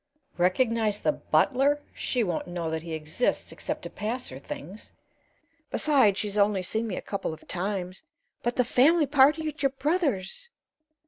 "Recognize the butler? She won't know that he exists except to pass her things. Besides, she's only seen me a couple of times." "But the family party at your brother's?"